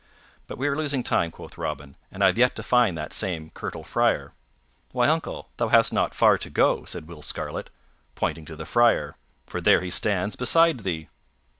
"But we are losing time," quoth Robin, "and I have yet to find that same Curtal Friar." "Why, uncle, thou hast not far to go," said Will Scarlet, pointing to the Friar, "for there he stands beside thee."